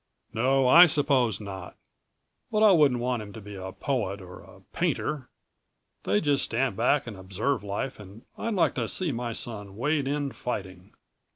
"No, I suppose not. But I wouldn't want him to be a poet or a painter. They just stand back and observe life and I'd like to see my son wade in fighting."